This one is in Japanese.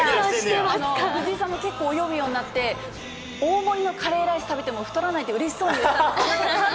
藤井さんも結構泳ぐようになって、大盛りのカレーライス食べても太らないって、うれしそうに。